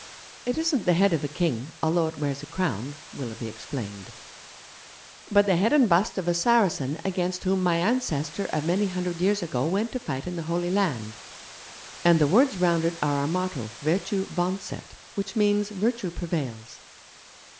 'It isn't the head of a king, although it wears a crown,' Willoughby explained, 'but the head and bust of a Saracen against whom my ancestor of many hundred years ago went to fight in the Holy Land. And the words cut round it are our motto, "Vertue vauncet", which means virtue prevails.'